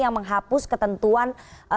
yang menghapus ketentuan